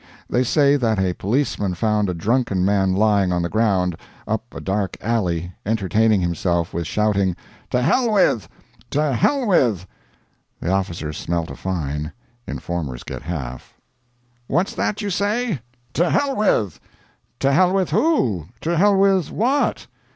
They say that a policeman found a drunken man lying on the ground, up a dark alley, entertaining himself with shouting, "To hell with!" "To hell with!" The officer smelt a fine informers get half. "What's that you say?" "To hell with!" "To hell with who? To hell with what?"